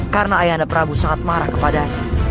karena ayah anda prabu sangat marah kepadanya